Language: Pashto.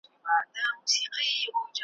ونو هسي هم د وینو رنګ اخیستی ,